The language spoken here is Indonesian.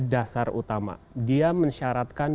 dasar utama dia mensyaratkan